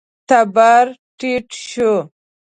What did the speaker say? تبر ټيټ شو.